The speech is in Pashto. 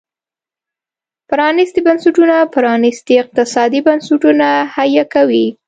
پرانيستي بنسټونه پرانيستي اقتصادي بنسټونه حیه کوي.